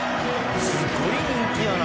「すごい人気やな。